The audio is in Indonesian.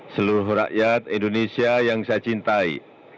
seluruh rakyat indonesia yang saya cintai